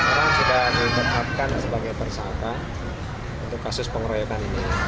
orang sudah ditetapkan sebagai tersangka untuk kasus pengeroyokan ini